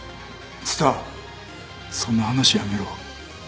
蔦そんな話やめろ